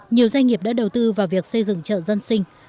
nhiều doanh nghiệp đã đầu tư vào việc xây dựng chợ dân sinh